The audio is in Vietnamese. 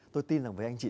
tôi tin là với anh chị